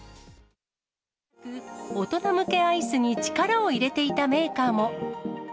大人向けアイスに力を入れていたメーカーも。